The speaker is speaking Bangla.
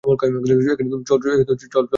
চলো, দেখে আসি!